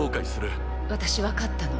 私分かったの。